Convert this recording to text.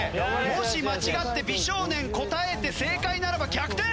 もし間違って美少年答えて正解ならば逆転！ＨｉＨｉＪｅｔｓ